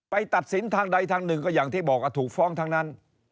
ตัดสินทางใดทางหนึ่งก็อย่างที่บอกถูกฟ้องทั้งนั้น